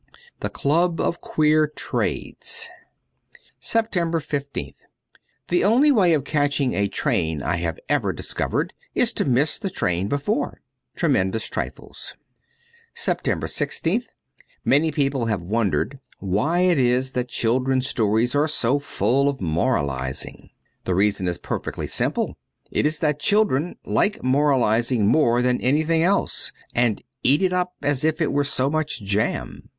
' The Club of Queer Trades.' 287 SEPTEMBER 15th THE only way of catching a train I have ever discovered is to miss the train before. ' Tremendous Trifles.' zHii SEPTEMBER i6th M ANY people have wondered why it is that children's stories are so full of moralizing. The reason is perfectly simple : it is that children like moralizing more than anything else, and eat it up as if it were so much jam.